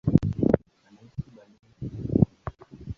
Anaishi Berlin, Ujerumani.